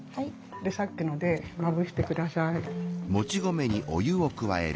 でさっきのでまぶしてください。